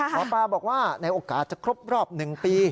หมอปลาบอกว่าในโอกาสจะครบรอบ๑ปี